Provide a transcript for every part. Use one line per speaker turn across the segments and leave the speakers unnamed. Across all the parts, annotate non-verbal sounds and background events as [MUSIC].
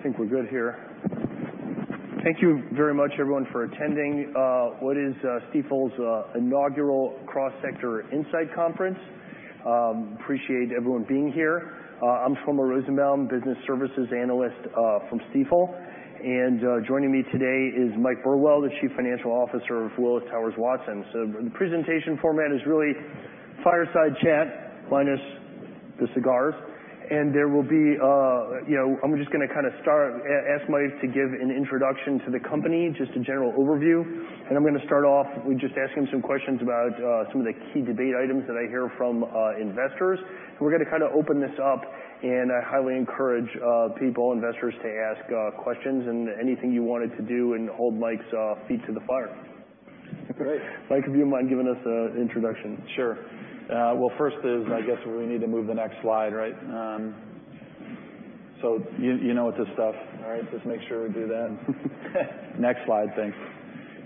I think we're good here. Thank you very much everyone for attending what is Stifel 2018 Cross Sector Insight Conference. Appreciate everyone being here. I'm Shlomo Rosenbaum, business services analyst from Stifel. Joining me today is Mike Burwell, the Chief Financial Officer of Willis Towers Watson. The presentation format is really fireside chat minus the cigars. I'm just going to ask Mike to give an introduction to the company, just a general overview. I'm going to start off with just asking some questions about some of the key debate items that I hear from investors. We're going to open this up, and I highly encourage people, investors to ask questions and anything you wanted to do, and hold Mike's feet to the fire.
Great.
Mike, if you wouldn't mind giving us an introduction.
Sure. First is, I guess we need to move the next slide, right? You know what this stuff, right? Just make sure we do that. Next slide. Thanks.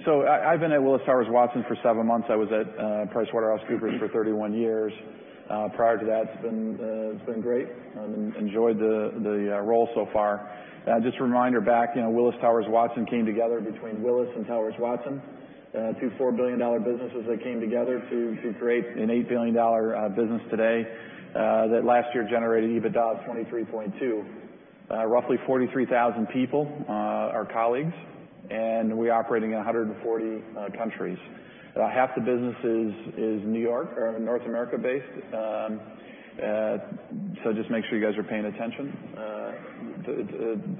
I've been at Willis Towers Watson for seven months. I was at PricewaterhouseCoopers for 31 years prior to that. It's been great. Enjoyed the role so far. Just a reminder back, Willis Towers Watson came together between Willis and Towers Watson, two $4 billion businesses that came together to create an $8 billion business today, that last year generated EBITDA of $23.2. Roughly 43,000 people are colleagues, and we operate in 140 countries. Half the business is New York or North America based. Just make sure you guys are paying attention.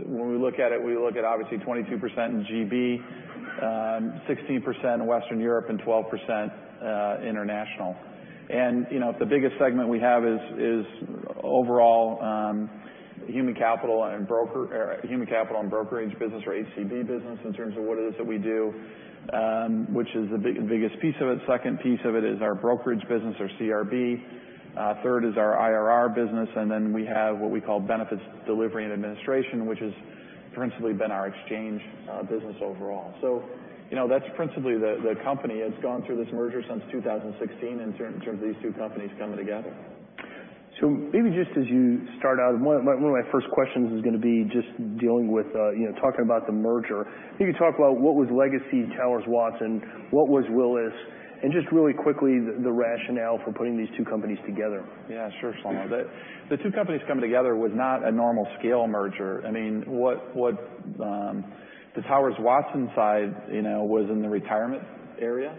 When we look at it, we look at obviously 22% in GB, 16% in Western Europe and 12% international. The biggest segment we have is overall human capital and brokerage business or HCB business in terms of what it is that we do, which is the biggest piece of it. Second piece of it is our brokerage business or CRB. Third is our IRR business, and we have what we call benefits delivery and administration, which has principally been our exchange business overall. That's principally the company. It's gone through this merger since 2016 in terms of these two companies coming together.
Maybe just as you start out, one of my first questions is going to be just dealing with talking about the merger. Maybe talk about what was legacy Towers Watson, what was Willis, and just really quickly, the rationale for putting these two companies together.
Yeah, sure, Shlomo. The two companies coming together was not a normal scale merger. The Towers Watson side was in the retirement area,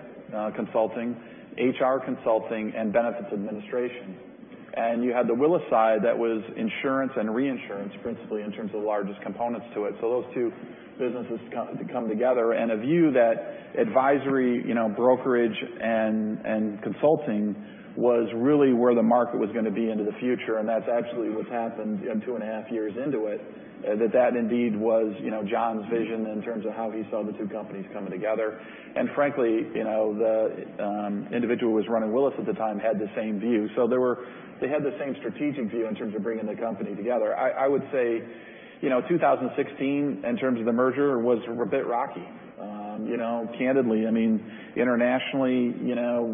consulting, HR consulting, and benefits administration. You had the Willis side that was insurance and reinsurance principally in terms of the largest components to it. Those two businesses come together and a view that advisory, brokerage, and consulting was really where the market was going to be into the future, and that's actually what's happened two and a half years into it. That indeed was John's vision in terms of how he saw the two companies coming together. Frankly, the individual who was running Willis at the time had the same view. They had the same strategic view in terms of bringing the company together. I would say 2016, in terms of the merger, was a bit rocky. Candidly, internationally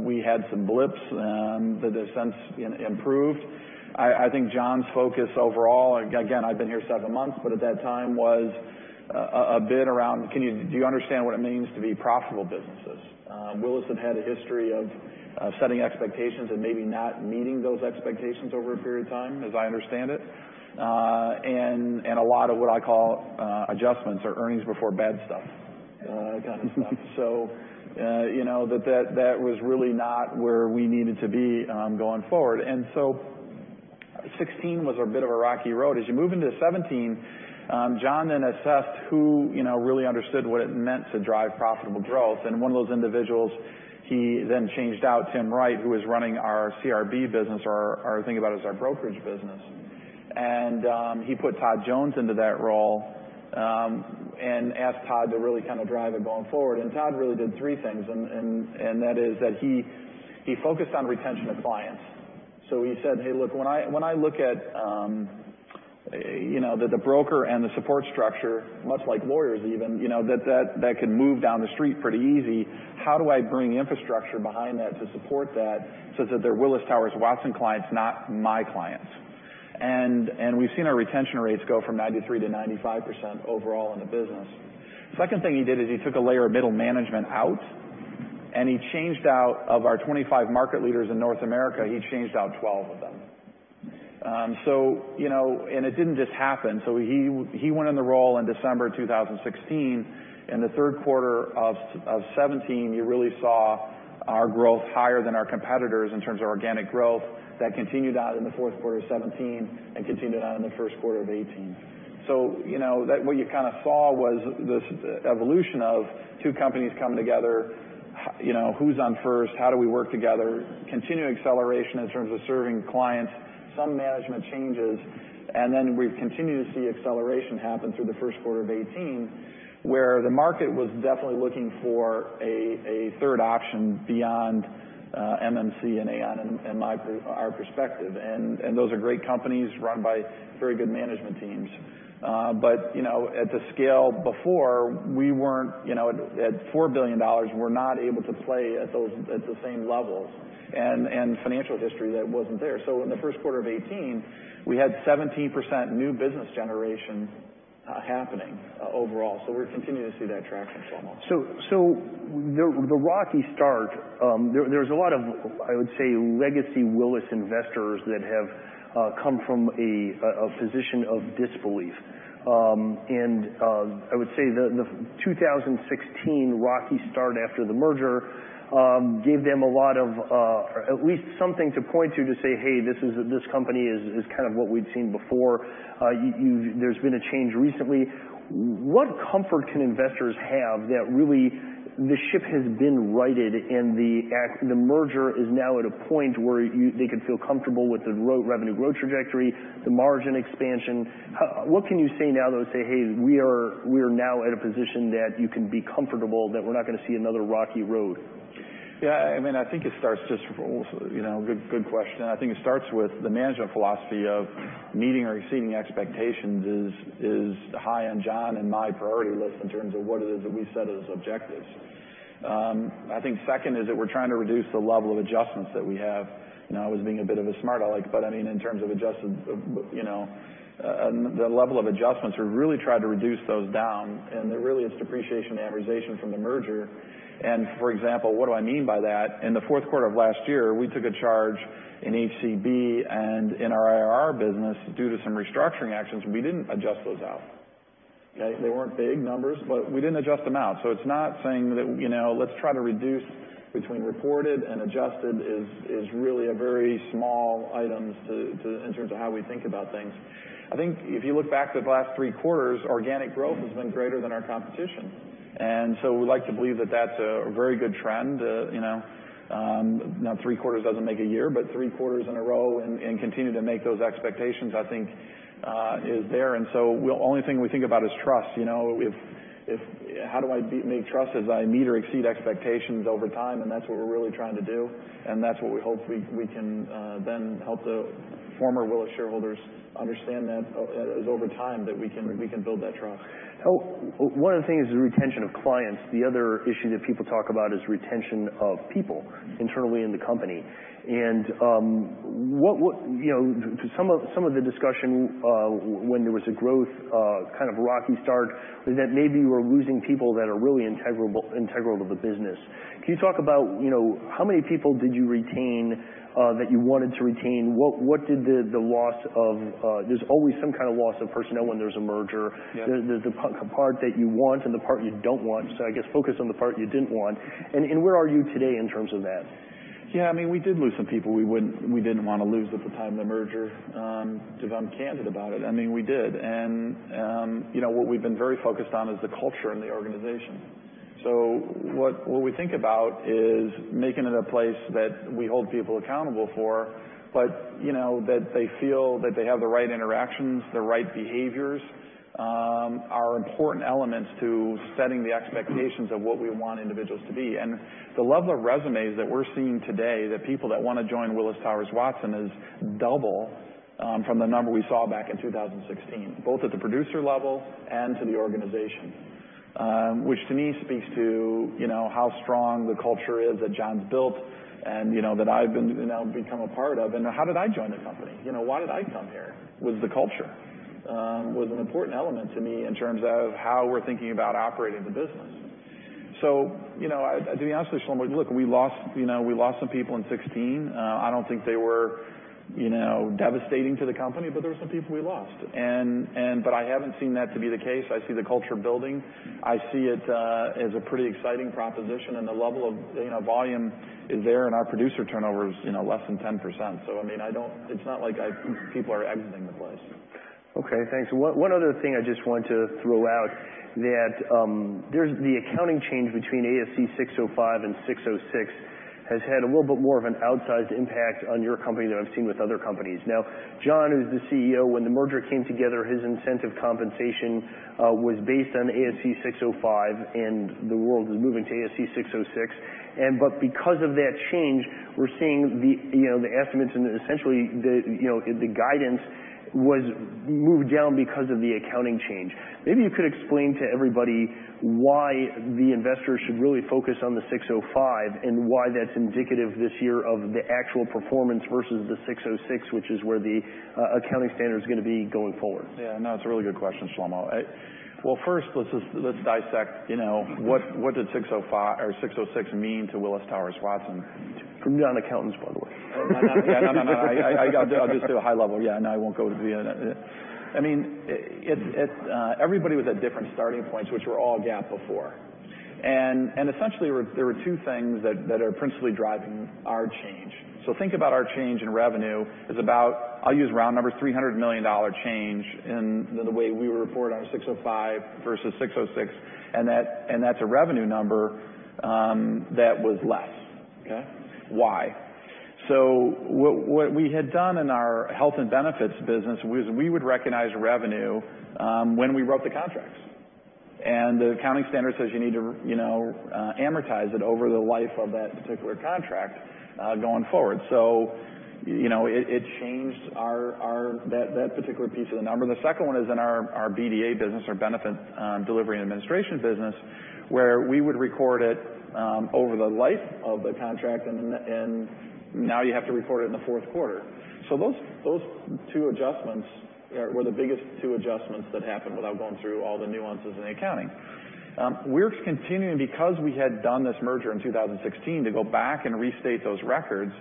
we had some blips that have since improved. I think John's focus overall, again, I've been here seven months, but at that time was a bit around do you understand what it means to be profitable businesses? Willis had had a history of setting expectations and maybe not meeting those expectations over a period of time, as I understand it. A lot of what I call adjustments or earnings before bad stuff kind of stuff. That was really not where we needed to be going forward. 2016 was a bit of a rocky road. As you move into 2017, John then assessed who really understood what it meant to drive profitable growth. One of those individuals, he then changed out Tim Wright, who was running our CRB business, or think about it as our brokerage business. He put Todd Jones into that role, and asked Todd to really drive it going forward. Todd really did three things, and that is that he focused on retention of clients. He said, "Hey, look, when I look at the broker and the support structure, much like lawyers even, that can move down the street pretty easy. How do I bring infrastructure behind that to support that such that they're Willis Towers Watson clients, not my clients?" We've seen our retention rates go from 93%-95% overall in the business. Second thing he did is he took a layer of middle management out, and he changed out of our 25 market leaders in North America, he changed out 12 of them. It didn't just happen. He went in the role in December 2016. In the third quarter of 2017, you really saw our growth higher than our competitors in terms of organic growth. That continued out in the fourth quarter of 2017 and continued on in the first quarter of 2018. What you saw was this evolution of two companies coming together, who's on first, how do we work together, continued acceleration in terms of serving clients, some management changes. Then we've continued to see acceleration happen through the first quarter of 2018, where the market was definitely looking for a third option beyond MMC and Aon in our perspective. Those are great companies run by very good management teams. At the scale before, at $4 billion, we're not able to play at the same levels, and financial history that wasn't there. In the first quarter of 2018, we had 17% new business generation happening overall. We're continuing to see that traction, Shlomo.
The rocky start, there's a lot of, I would say, legacy Willis investors that have come from a position of disbelief. I would say the 2016 rocky start after the merger gave them at least something to point to say, "Hey, this company is kind of what we'd seen before." There's been a change recently. What comfort can investors have that really the ship has been righted and the merger is now at a point where they could feel comfortable with the revenue growth trajectory, the margin expansion? What can you say now, though, to say, "Hey, we are now at a position that you can be comfortable that we're not going to see another rocky road?
Yeah. Good question. I think it starts with the management philosophy of meeting or exceeding expectations is high on John and my priority list in terms of what it is that we set as objectives. I think second is that we're trying to reduce the level of adjustments that we have. I was being a bit of a smart aleck, but in terms of the level of adjustments, we really tried to reduce those down, and it really is depreciation and amortization from the merger. For example, what do I mean by that? In the fourth quarter of last year, we took a charge in HCB and in our IRR business due to some restructuring actions. We didn't adjust those out.
Okay.
They weren't big numbers, but we didn't adjust them out. It's not saying that let's try to reduce between reported and adjusted is really a very small item in terms of how we think about things. I think if you look back to the last three quarters, organic growth has been greater than our competition. We like to believe that that's a very good trend. Now three quarters doesn't make a year, but three quarters in a row and continuing to make those expectations, I think is there. The only thing we think about is trust. How do I make trust is I meet or exceed expectations over time, and that's what we're really trying to do, and that's what we hope we can then help the former Willis shareholders understand that is over time that we can build that trust.
One of the things is retention of clients. The other issue that people talk about is retention of people internally in the company. Some of the discussion when there was a growth kind of rocky start was that maybe you were losing people that are really integral to the business. Can you talk about how many people did you retain that you wanted to retain? There's always some kind of loss of personnel when there's a merger.
Yeah.
There's the part that you want and the part you don't want, I guess focus on the part you didn't want, and where are you today in terms of that?
Yeah. We did lose some people we didn't want to lose at the time of the merger, to be candid about it. We did. What we've been very focused on is the culture in the organization. What we think about is making it a place that we hold people accountable for, but that they feel that they have the right interactions, the right behaviors are important elements to setting the expectations of what we want individuals to be. The level of resumes that we're seeing today, the people that want to join Willis Towers Watson is double from the number we saw back in 2016, both at the producer level and to the organization. Which to me speaks to how strong the culture is that John's built and that I've now become a part of. How did I join the company? Why did I come here? Was the culture. Was an important element to me in terms of how we're thinking about operating the business. To be honest with you, Shlomo, look, we lost some people in 2016. I don't think they were devastating to the company, but there were some people we lost. I haven't seen that to be the case. I see the culture building. I see it as a pretty exciting proposition, and the level of volume is there, and our producer turnover is less than 10%. It's not like people are exiting the place.
Okay, thanks. One other thing I just wanted to throw out that there's the accounting change between ASC 605 and 606 has had a little bit more of an outsized impact on your company than I've seen with other companies. John, who's the CEO, when the merger came together, his incentive compensation was based on ASC 605, and the world was moving to ASC 606. Because of that change, we're seeing the estimates and essentially the guidance was moved down because of the accounting change. Maybe you could explain to everybody why the investors should really focus on the 605 and why that's indicative this year of the actual performance versus the 606, which is where the accounting standard's going to be going forward.
Yeah, no, that's a really good question, Shlomo. Well, first let's dissect what did 606 mean to Willis Towers Watson.
From an accountant's point of view.
I'll just do a high level. I won't go to the Everybody was at different starting points, which were all GAAP before. Essentially, there were two things that are principally driving our change. Think about our change in revenue is about, I'll use round numbers, $300 million change in the way we report on a ASC 605 versus ASC 606, and that's a revenue number that was less.
Okay.
Why? What we had done in our health and benefits business was we would recognize revenue when we wrote the contracts. The accounting standard says you need to amortize it over the life of that particular contract going forward. It changed that particular piece of the number. The second one is in our BDA business, our benefit delivery and administration business, where we would record it over the life of the contract, and now you have to record it in the fourth quarter. Those two adjustments were the biggest two adjustments that happened without going through all the nuances in the accounting. We're continuing because we had done this merger in 2016 to go back and restate those records.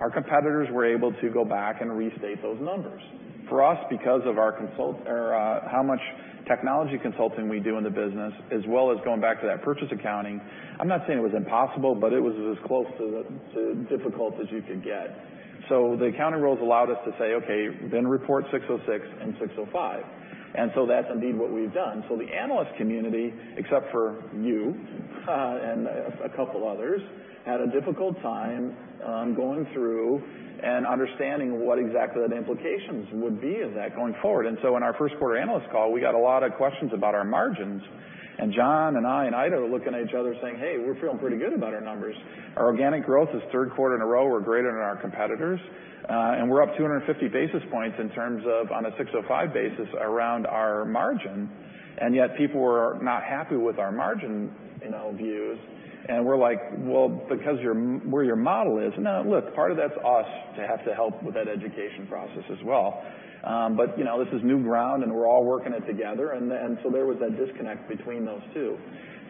Our competitors were able to go back and restate those numbers. For us, because of how much technology consulting we do in the business, as well as going back to that purchase accounting, I'm not saying it was impossible, but it was as close to difficult as you could get. The accounting rules allowed us to say, okay, then report ASC 606 and ASC 605. That's indeed what we've done. The analyst community, except for you, and a couple others, had a difficult time going through and understanding what exactly the implications would be of that going forward. In our first-quarter analyst call, we got a lot of questions about our margins. John and I and Ida were looking at each other saying, "Hey, we're feeling pretty good about our numbers." Our organic growth is third quarter in a row. We're greater than our competitors. We're up 250 basis points in terms of on a ASC 605 basis around our margin. Yet people were not happy with our margin views. We're like, well, because where your model is. Now, look, part of that's us to have to help with that education process as well. This is new ground, and we're all working it together. There was that disconnect between those two.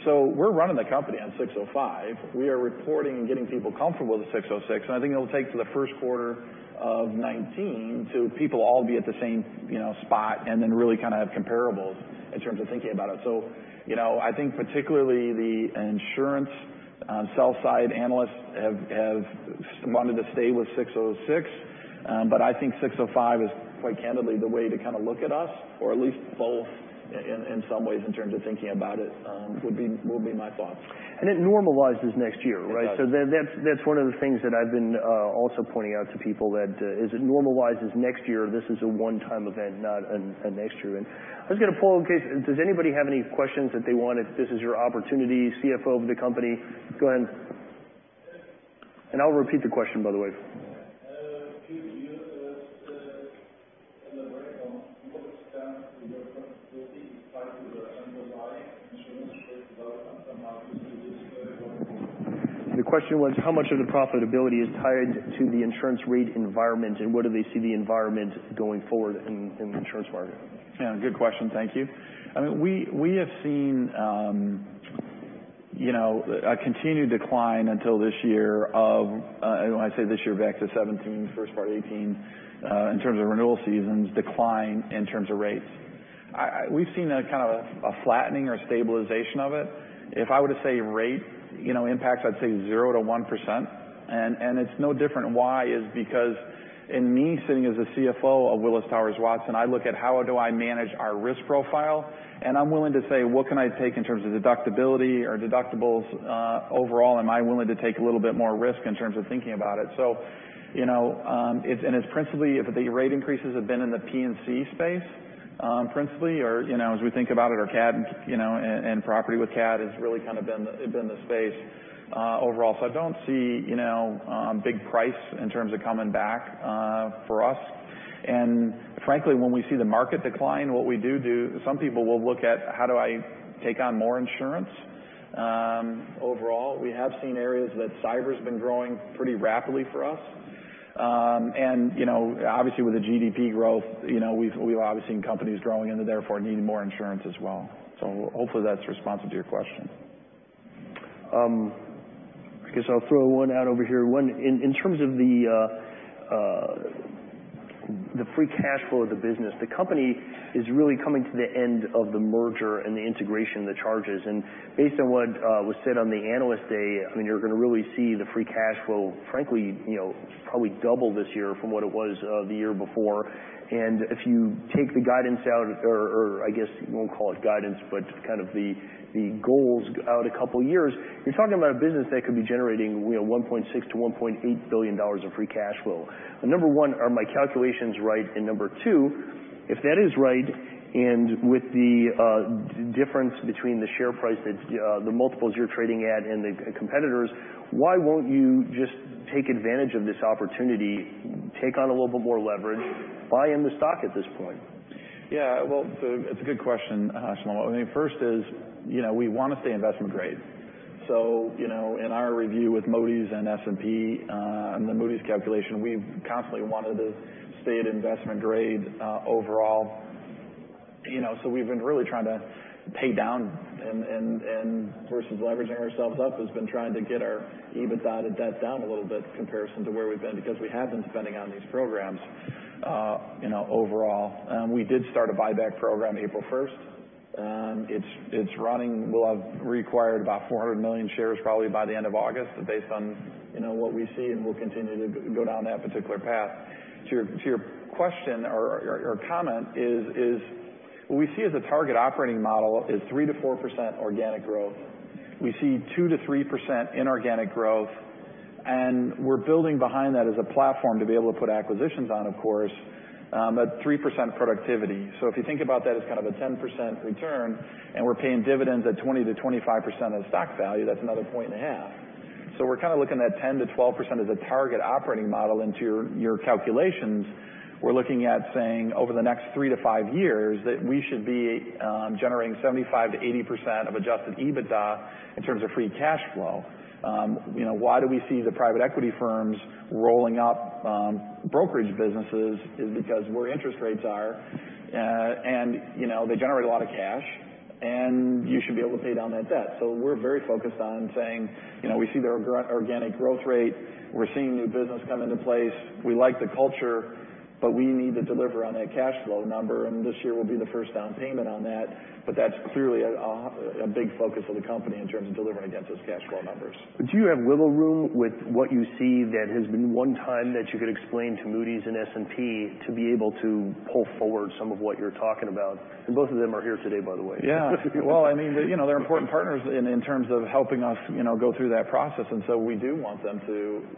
We're running the company on ASC 605. We are reporting and getting people comfortable with ASC 606, and I think it'll take to the first quarter of 2019 to people all be at the same spot and then really have comparables in terms of thinking about it. I think particularly the insurance sell-side analysts have wanted to stay with ASC 606. I think 605 is quite candidly the way to look at us or at least both in some ways in terms of thinking about it, would be my thoughts.
It normalizes next year, right?
It does.
That's one of the things that I've been also pointing out to people that as it normalizes next year, this is a one-time event, not a next year event. I was going to poll in case. Does anybody have any questions that they wanted? This is your opportunity, CFO of the company. Go ahead. I'll repeat the question, by the way. The question was how much of the profitability is tied to the insurance rate environment, and what do they see the environment going forward in the insurance market?
Good question. Thank you. We have seen a continued decline until this year when I say this year, back to 2017, first part of 2018, in terms of renewal seasons decline in terms of rates. We've seen a flattening or stabilization of it. If I were to say rate impacts, I'd say 0%-1%. It's no different why is because in me sitting as a CFO of Willis Towers Watson, I look at how do I manage our risk profile, and I'm willing to say, what can I take in terms of deductibility or deductibles? Overall, am I willing to take a little bit more risk in terms of thinking about it? It's principally the rate increases have been in the P&C space, principally, or as we think about it, our cat and property with cat has really been the space overall. I don't see big price in terms of coming back for us. Frankly, when we see the market decline, what we do, some people will look at how do I take on more insurance overall. We have seen areas that cyber's been growing pretty rapidly for us. Obviously with the GDP growth, we've obviously seen companies growing and therefore needing more insurance as well. Hopefully that's responsive to your question.
I guess I'll throw one out over here. One, in terms of the free cash flow of the business, the company is really coming to the end of the merger and the integration and the charges. Based on what was said on the Analyst Day, you're going to really see the free cash flow, frankly, probably double this year from what it was the year before. If you take the guidance out or I guess we won't call it guidance, but the goals out a couple of years, you're talking about a business that could be generating $1.6 billion-$1.8 billion of free cash flow. Number one, are my calculations right? Number two, if that is right, and with the difference between the share price that the multiples you're trading at and the competitors, why won't you just take advantage of this opportunity, take on a little bit more leverage, buy in the stock at this point?
It's a good question, Shlomo. First is, we want to stay investment grade. In our review with Moody's and S&P, and the Moody's calculation, we've constantly wanted to stay at investment grade overall. We've been really trying to pay down and versus leveraging ourselves up has been trying to get our EBITDA to debt down a little bit comparison to where we've been because we have been spending on these programs overall. We did start a buyback program April 1st. It's running. We'll have required about $400 million shares probably by the end of August based on what we see. We'll continue to go down that particular path. To your question or comment is what we see as a target operating model is 3%-4% organic growth. We see 2%-3% inorganic growth. We're building behind that as a platform to be able to put acquisitions on, of course, at 3% productivity. If you think about that as a 10% return and we're paying dividends at 20%-25% of stock value, that's another point and a half. We're looking at 10%-12% of the target operating model into your calculations. We're looking at saying over the next three to five years that we should be generating 75%-80% of adjusted EBITDA in terms of free cash flow. Why do we see the private equity firms rolling up brokerage businesses is because where interest rates are. They generate a lot of cash. You should be able to pay down that debt. We're very focused on saying, we see their organic growth rate. We're seeing new business come into place. We like the culture. We need to deliver on that cash flow number. This year will be the first down payment on that. That's clearly a big focus of the company in terms of delivering against those cash flow numbers.
Do you have wiggle room with what you see that has been one time that you could explain to Moody's and S&P to be able to pull forward some of what you're talking about? Both of them are here today, by the way.
Yeah. Well, they're important partners in terms of helping us go through that process. We do want them to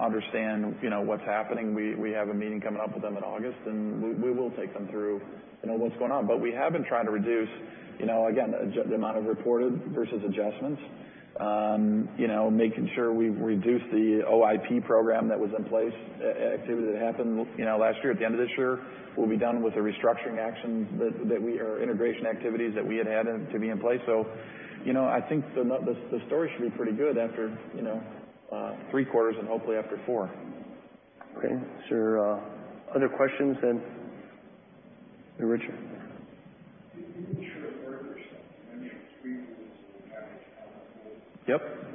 understand what's happening. We have a meeting coming up with them in August, and we will take them through what's going on. We have been trying to reduce, again, the amount of reported versus adjustments. Making sure we reduce the OIP program that was in place, activity that happened last year. At the end of this year, we'll be done with the restructuring actions that we, or integration activities that we had had to be in place. I think the story should be pretty good after three quarters and hopefully after four.
Okay. Is there other questions then? Richard.
The insurance brokerage side, I mean, three quarters of managed
Yep.
What is that attributed to? What about changing the culture? What else is driving?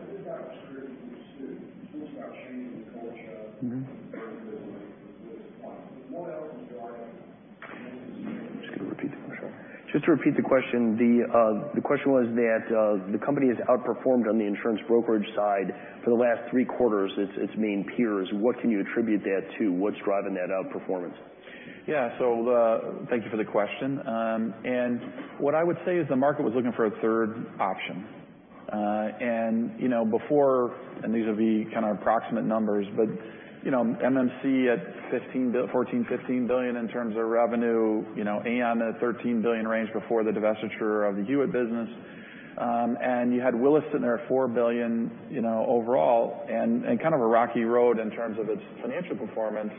Just to repeat the question, the question was that the company has outperformed on the insurance brokerage side for the last three quarters its main peers. What can you attribute that to? What's driving that outperformance?
Thank you for the question. What I would say is the market was looking for a third option. Before, and these will be approximate numbers, but MMC at $14 billion, $15 billion in terms of revenue, Aon at $13 billion range before the divestiture of the Hewitt business. You had Willis sitting there at $4 billion overall, and kind of a rocky road in terms of its financial performance.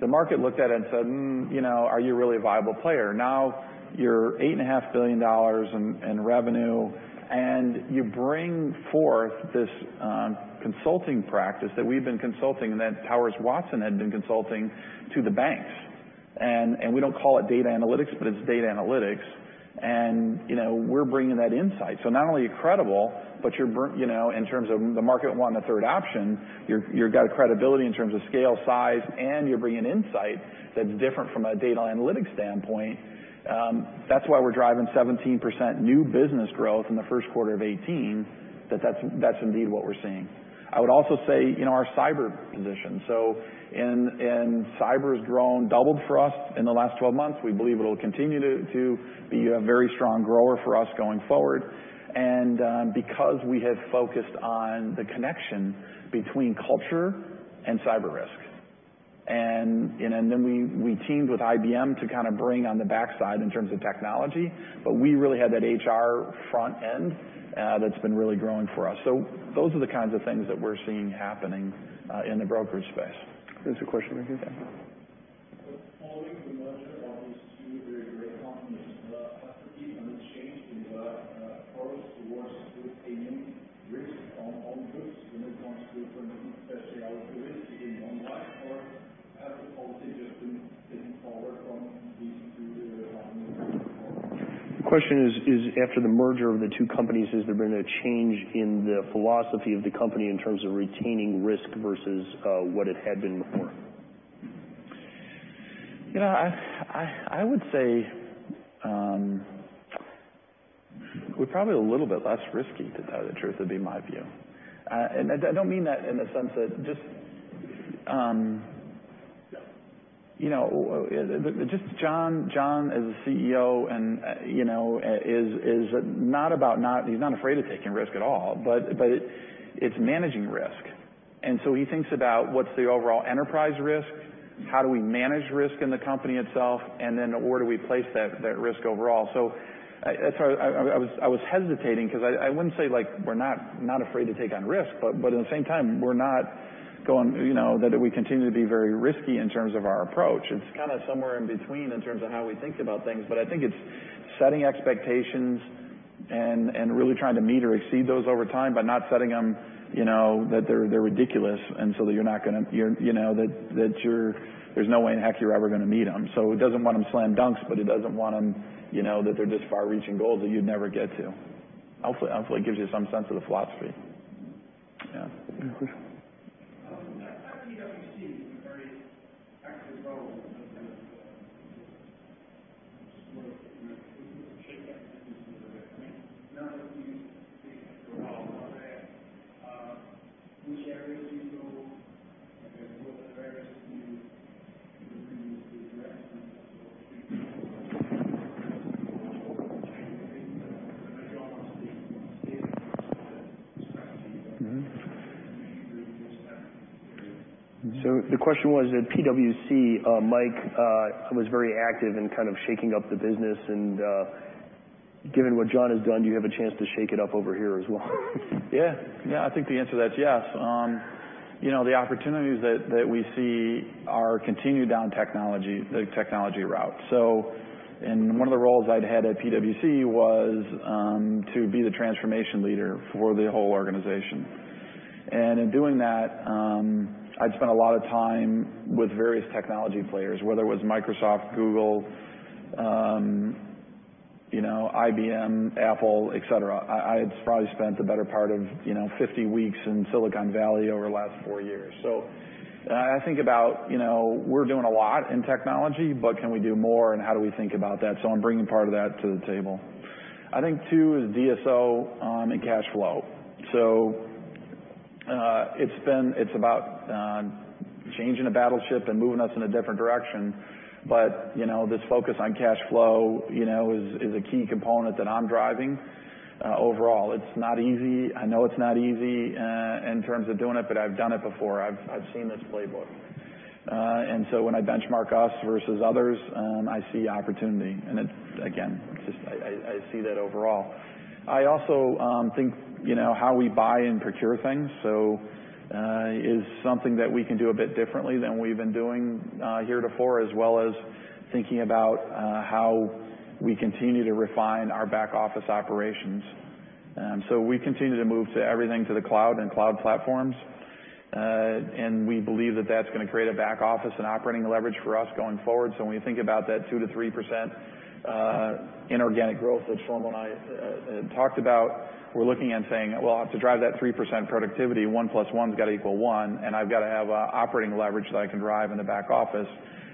The market looked at it and said, "Are you really a viable player?" Now you're $8.5 billion in revenue, and you bring forth this consulting practice that we've been consulting, and that Towers Watson had been consulting to the banks. We don't call it data analytics, but it's data analytics. We're bringing that insight. Not only are you credible, but in terms of the market wanting a third option, you've got credibility in terms of scale, size, and you're bringing insight that's different from a data analytics standpoint. That's why we're driving 17% new business growth in the first quarter of 2018, that's indeed what we're seeing. I would also say our cyber position. Cyber has doubled for us in the last 12 months. We believe it'll continue to be a very strong grower for us going forward. Because we have focused on the connection between culture and cyber risk. We teamed with IBM to bring on the backside in terms of technology, but we really had that HR front end that's been really growing for us. Those are the kinds of things that we're seeing happening in the brokerage space.
There's a question over here.
Following the merger of these two very great companies, have there been any change in the approach towards retaining risk on goods when it comes to specialty risk, [AUDIO DISTORTION] or has the policy just been taken forward from these two companies?
The question is, after the merger of the two companies, has there been a change in the philosophy of the company in terms of retaining risk versus what it had been before?
I would say we're probably a little bit less risky, to tell you the truth, would be my view. I don't mean that in the sense that just John as a CEO is not about he's not afraid of taking risk at all, but it's managing risk. He thinks about what's the overall enterprise risk, how do we manage risk in the company itself, and then where do we place that risk overall. I was hesitating because I wouldn't say we're not afraid to take on risk, but at the same time, we're not going that we continue to be very risky in terms of our approach. It's kind of somewhere in between in terms of how we think about things. I think it's setting expectations and really trying to meet or exceed those over time, but not setting them that they're ridiculous, and so that there's no way in heck you're ever going to meet them. He doesn't want them slam dunks, but he doesn't want them that they're just far-reaching goals that you'd never get to. Hopefully it gives you some sense of the philosophy. Yeah.
At PwC, you were very active role in shake up the business over there. Now that you've taken the role over there, which areas do you want to bring to the direction?
The question was, at PwC, Mike was very active in shaking up the business, and given what John has done, do you have a chance to shake it up over here as well?
Yeah. I think the answer to that's yes. The opportunities that we see are continued down the technology route. One of the roles I'd had at PwC was to be the transformation leader for the whole organization. In doing that, I'd spent a lot of time with various technology players, whether it was Microsoft, Google, IBM, Apple, et cetera. I had probably spent the better part of 50 weeks in Silicon Valley over the last four years. I think about we're doing a lot in technology, but can we do more, and how do we think about that? I'm bringing part of that to the table. I think, too, is DSO and cash flow. It's about changing a battleship and moving us in a different direction. This focus on cash flow is a key component that I'm driving overall. It's not easy. I know it's not easy in terms of doing it, I've done it before. I've seen this playbook. When I benchmark us versus others, I see opportunity. Again, I see that overall. I also think how we buy and procure things is something that we can do a bit differently than we've been doing heretofore, as well as thinking about how we continue to refine our back office operations. We continue to move everything to the cloud and cloud platforms. We believe that that's going to create a back office and operating leverage for us going forward. When we think about that 2%-3% inorganic growth that Shlomo and I had talked about, we're looking and saying, well, to drive that 3% productivity, one plus one's got to equal one. I've got to have operating leverage that I can drive in the back office,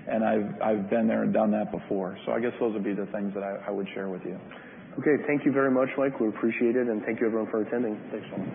and I've been there and done that before. I guess those would be the things that I would share with you.
Okay. Thank you very much, Mike. We appreciate it, and thank you, everyone, for attending.
Thanks, Shlomo.